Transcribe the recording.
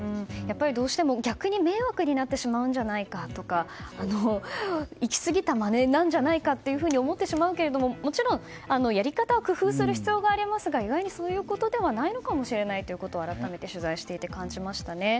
どうしても、逆に迷惑になってしまうんじゃないかとか行き過ぎたまねになるんじゃないかと思ってしまうけれどももちろん、やり方を工夫する必要がありますが意外にそういうことではないのかもしれないと改めて取材していて感じましたね。